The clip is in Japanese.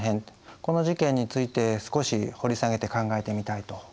この事件について少し掘り下げて考えてみたいと思います。